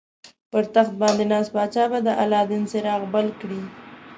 پر تخت باندې ناست پاچا به د الله دین څراغ بل کړي.